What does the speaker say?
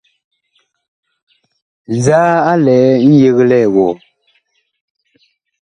Nzaa a lɛ ŋyeglɛɛ wɔɔ ?